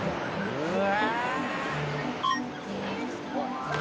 うわ。